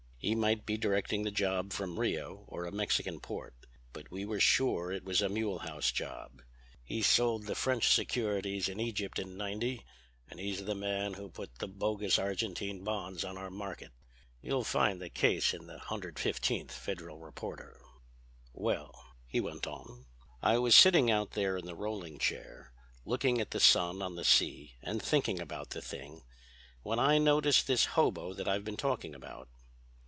He might be directing the job from Rio or a Mexican port. But we were sure it was a Mulehaus' job. He sold the French securities in Egypt in '90; and he's the man who put the bogus Argentine bonds on our market—you'll find the case in the 115th Federal Reporter. "Well," he went on, "I was sitting out there in the rolling chair, looking at the sun on the sea and thinking about the thing, when I noticed this hobo that I've been talking about.